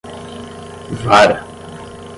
vara